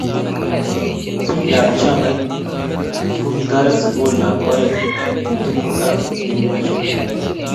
Biik ab chamait kokitoret sukul ab oret eng tukuk ak kemwochi